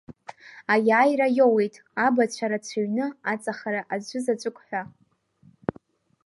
Аиааира иоуеит абацәа рацәаҩны, аҵахара аӡәы заҵәык ҳәа.